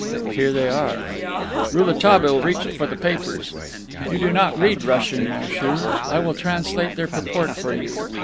"Here they are." Rouletabille reached for the papers. "You do not read Russian, monsieur. I will translate their purport for you.